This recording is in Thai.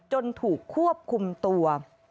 จนถูกควบคุมตัว